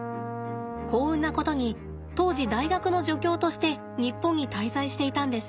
幸運なことに当時大学の助教として日本に滞在していたんです。